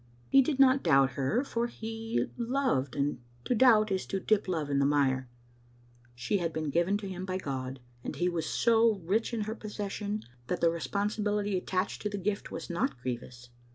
He did not doubt her, for he loved, and to doubt is to dip love in the mire. She had been given to him by God, and he was so rich in her possession that the responsibility attached to the gift was not grievous.